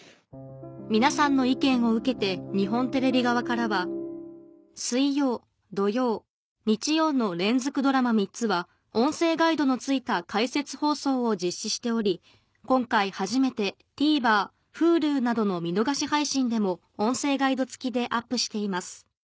皆さんの意見を受けて日本テレビ側からは水曜土曜日曜の連続ドラマ３つは音声ガイドのついた解説放送を実施しており今回初めてＴＶｅｒＨｕｌｕなどの見逃し配信でも音声ガイドつきでアップしています